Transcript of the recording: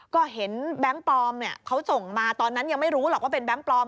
ก็เห็นแบงค์ปลอมเนี่ยเขาส่งมาตอนนั้นยังไม่รู้หรอกว่าเป็นแก๊งปลอม